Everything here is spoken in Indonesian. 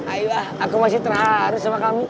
ayo lah aku masih teraruh sama kami